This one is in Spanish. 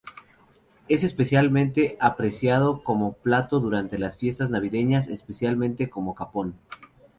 Es especialmente apreciado como plato durante las fiestas navideñas, especialmente como capón.